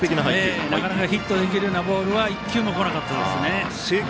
なかなかヒットにいけるようなボールは１球もこなかったですね。